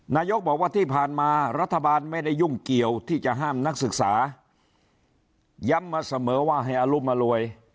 นายกบอกว่าที่ผ่านมารัฐบาลไม่ได้ยุ่งเกี่ยวที่จะห้ามนักศึกษาย้ำมาเสมอว่าให้อรุมอรวย